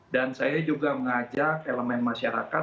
dan saya juga mengajak elemen masyarakat